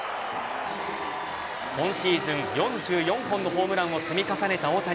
今シーズン４４本のホームランを積み重ねた大谷。